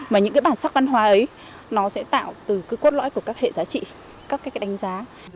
mà những bản sắc văn hóa ấy nó sẽ tạo từ cốt lõi của các hệ giá trị các đánh giá